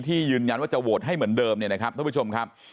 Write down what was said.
ยืนยันว่าจะโหวตให้เหมือนเดิมเนี่ยนะครับท่านผู้ชมครับ